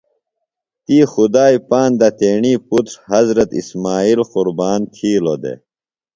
تی خدائی پاندہ تیݨی پُتر حضرت اسمئیل قربان تِھیلوۡ دےۡ۔